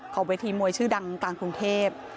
เวทีมวยชื่อดังกลางกรุงเทพ